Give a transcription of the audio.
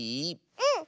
うん！